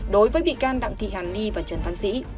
đối với bị can đặng thị hàn ni và trần văn sĩ